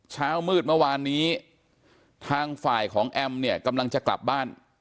เช้ามืดเมื่อวานนี้ทางฝ่ายของแอมเนี่ยกำลังจะกลับบ้าน